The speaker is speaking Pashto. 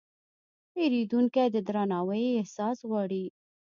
پیرودونکی د درناوي احساس غواړي.